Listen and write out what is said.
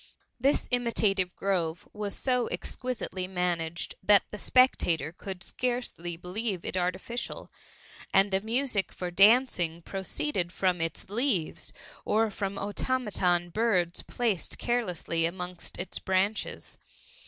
This imitative grove was so exquisitely managed, that the spectator could scarcely believe it artificial ; and the music for dancing proceeded from its leaves, or from automaton birds placed carelessly amongst its branches.